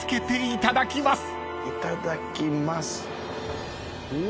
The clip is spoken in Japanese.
いただきます。